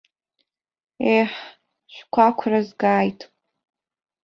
Ееҳ, шәқәақәра згааит!